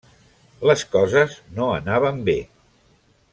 Les coses no anaven bé.